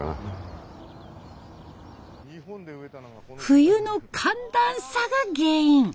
冬の寒暖差が原因。